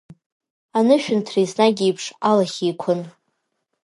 Анышәынҭра еснагь еиԥш алахь еиқәын.